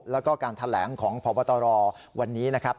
แล้วก็การแถลงของพบตรวันนี้นะครับ